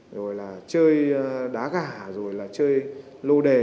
rồi là chơi đá gà rồi là chơi lô đề